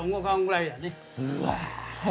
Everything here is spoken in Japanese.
うわ。